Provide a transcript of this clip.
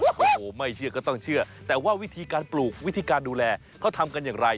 โอ้โหไม่เชื่อก็ต้องเชื่อแต่ว่าวิธีการปลูกวิธีการดูแลเขาทำกันอย่างไร